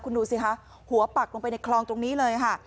คุณดูสิคะหัวปักลงไปในคลองตรงนี้เลยค่ะ